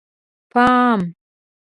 _پام!!!